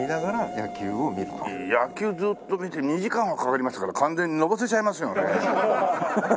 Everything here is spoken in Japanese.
野球ずーっと見て２時間はかかりますから完全にのぼせちゃいますよね。